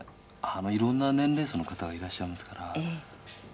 色んな年齢層の方がいらっしゃいますから。